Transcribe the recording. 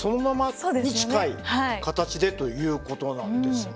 そうですよね。に近い形でということなんですね。